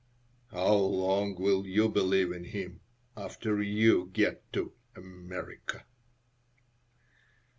"How long will you believe in Him after you get to America?"